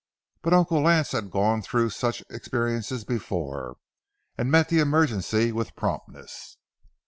But Uncle Lance had gone through such experiences before, and met the emergency with promptness.